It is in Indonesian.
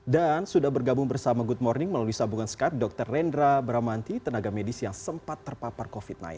dan sudah bergabung bersama good morning melalui sabungan skar dr rendra bramanti tenaga medis yang sempat terpapar covid sembilan belas